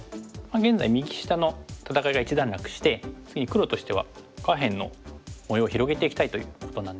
現在右下の戦いが一段落して次に黒としては下辺の模様を広げていきたいということなんですけども。